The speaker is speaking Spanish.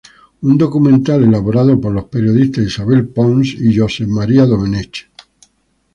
Un documental elaborado por los periodistas Isabel Pons y Josep M. Domenech.